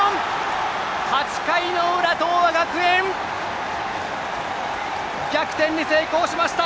８回の裏、東亜学園逆転に成功しました！